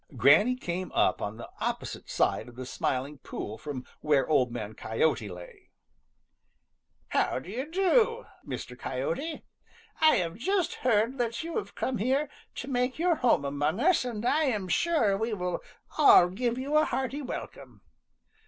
Granny came up on the opposite side of the Smiling Pool from where Old Man Coyote lay. "How do you do, Mr. Coyote? I have just heard that you have come here to make your home among us, and I am sure we all give you a hearty welcome."